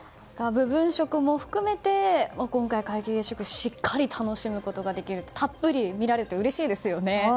部分食も含めて今回、皆既月食しっかり楽しめてたっぷり見られてうれしいですよね。